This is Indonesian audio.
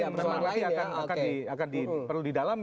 yang lain akan perlu didalami